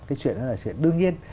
cái chuyện đó là chuyện đương nhiên